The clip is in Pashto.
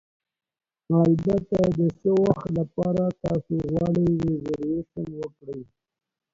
البته، د څه وخت لپاره تاسو غواړئ ریزرویشن وکړئ؟